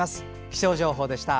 気象情報でした。